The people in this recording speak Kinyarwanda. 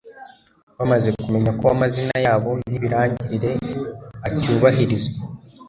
bamaze kumenya ko amazina yabo y'ibirangirire acyubahirizwa